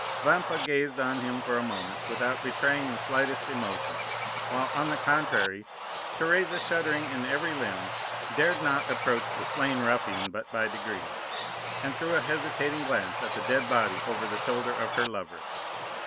Vampa gazed on him for a moment without betraying the slightest emotion; while, on the contrary, Teresa, shuddering in every limb, dared not approach the slain ruffian but by degrees, and threw a hesitating glance at the dead body over the shoulder of her lover.